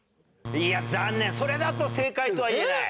いや残念それだと正解とは言えない。